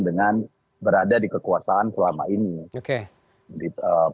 dengan berada di kekuasaan selama ini